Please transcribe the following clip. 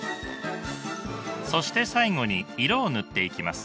そして最後に色を塗っていきます。